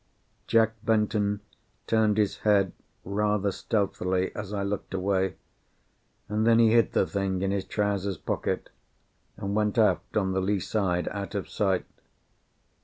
Jack Benton turned his head rather stealthily as I looked away, and then he hid the thing in his trousers pocket, and went aft on the lee side, out of sight.